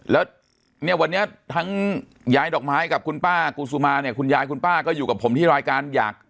แล้วเนี่ยวันนี้ทั้งย้ายดอกไม้กับคุณป้ากูซูมาเนี่ยคุณยายคุณป้าก็อยู่กับผมที่รายการอยาก